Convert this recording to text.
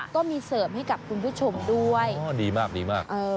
ก็มีเสริมให้กับคุณผู้ชมด้วยอ๋อดีมากดีมากเออ